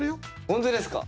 本当ですか？